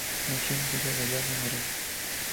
Nació en Villa de Ayala, Morelos.